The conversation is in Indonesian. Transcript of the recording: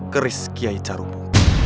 keris kiai carumu